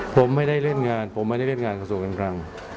ผมไม่ได้เล่นงานผมไม่ได้เล่นงานกับโครสกกลาง